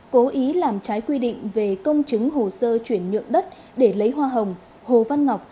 cố ý làm trái quy định về công chứng hồ sơ chuyển nhượng đất để lấy hoa hồng hồ văn ngọc